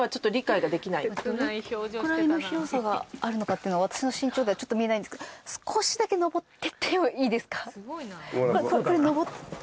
厳しいどれくらいの広さがあるのかっていうのは私の身長ではちょっと見えないんですけどこれのぼってけるものですか？